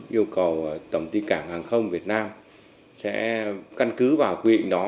yêu cầu tổng ty cảng hàng không việt nam sẽ căn cứ vào quy định đó